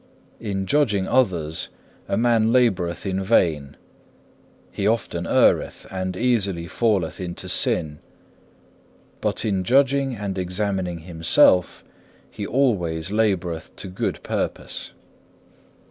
In judging others a man laboureth in vain; he often erreth, and easily falleth into sin; but in judging and examining himself he always laboureth to good purpose.